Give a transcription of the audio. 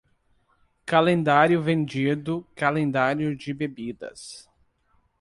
Calendário vendido, calendário de bebidas.